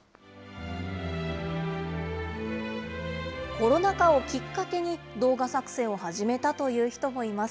コロナ禍をきっかけに、動画作成を始めたという人もいます。